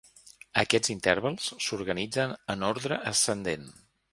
Aquests intervals s'organitzen en ordre ascendent.